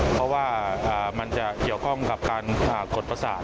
เพราะว่ามันจะเกี่ยวข้องกับการกดประสาท